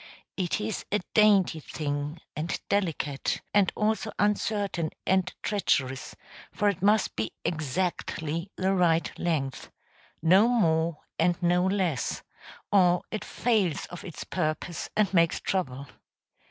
It is a dainty thing, and delicate, and also uncertain and treacherous; for it must be exactly the right length no more and no less or it fails of its purpose and makes trouble.